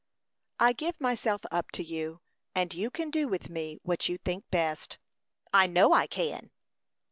"I give myself up to you; and you can do with me what you think best." "I know I can."